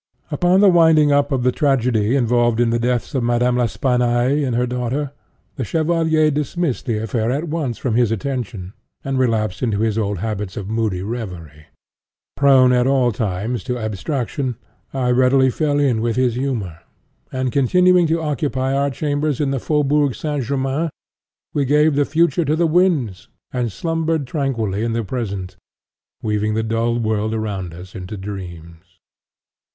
Upon the winding up of the tragedy involved in the deaths of Madame L'Espanaye and her daughter, the Chevalier dismissed the affair at once from his attention, and relapsed into his old habits of moody reverie. Prone, at all times, to abstraction, I readily fell in with his humor; and, continuing to occupy our chambers in the Faubourg Saint Germain, we gave the Future to the winds, and slumbered tranquilly in the Present, weaving the dull world around us into dreams.